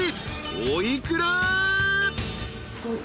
［お幾ら？］